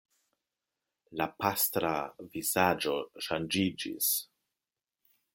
La pastra vizaĝo ŝanĝiĝis.